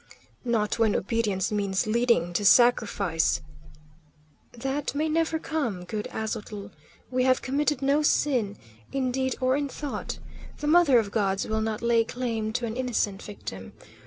"Not when obedience means leading to sacrifice " "That may never come, good Aztotl. We have committed no sin, in deed or in thought. The Mother of Gods will not lay claim to an innocent victim.